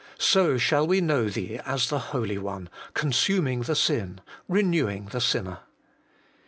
So shall we know Thee as the Holy One, consuming the sin, renewing the sinner.